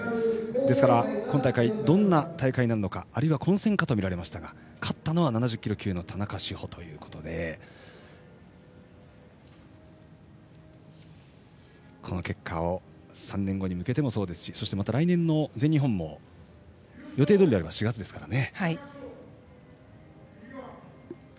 ですから今大会、どんな大会になるのかあるいは混戦かと思いましたが勝ったのは７０キロ級の田中志歩ということでこの結果を３年後に向けてもそうですしそしてまた来年の全日本も予定どおりであれば４月ですからね。